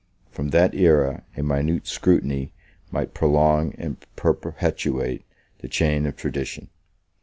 26 From that aera, a minute scrutiny might prolong and perpetuate the chain of tradition.